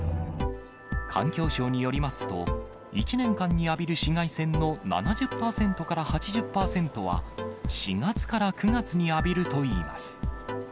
環境省によりますと、１年間に浴びる紫外線の７０％から８０％は、４月から９月に浴びるといいます。